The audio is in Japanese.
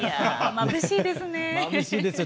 まぶしいですよ。